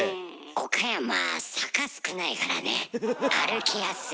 岡山坂少ないからね歩きやすい。